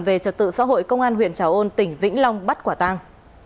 về trật tự xã hội công an huyện trào ôn tỉnh vĩnh long bắt quả tang